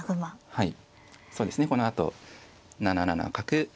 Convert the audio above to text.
はい。